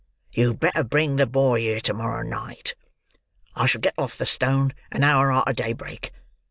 You'd better bring the boy here to morrow night. I shall get off the stone an hour arter daybreak.